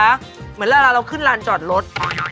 เหมือนเวลาเราขึ้นลานจอดรถ